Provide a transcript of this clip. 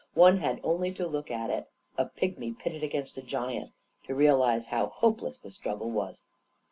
One had only to look at it — a pigmy pitted against a giant — to realize how hope less the struggle was